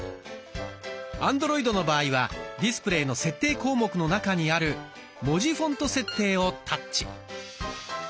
アンドロイドの場合はディスプレイの設定項目の中にある「文字フォント設定」をタッチ。